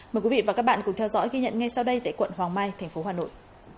mời quý vị và các bạn cùng theo dõi ghi nhận ngay sau đây tại quận hoàng mai thành phố hà nội